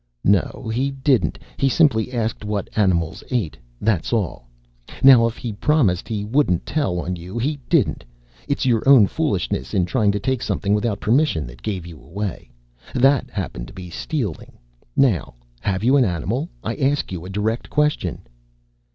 "No, he didn't. He simply asked what animals ate. That's all. Now if he promised he wouldn't tell on you, he didn't. It's your own foolishness in trying to take something without permission that gave you away. That happened to be stealing. Now have you an animal? I ask you a direct question."